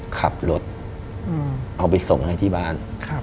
ขับรถเอาไปส่งให้ที่บ้าน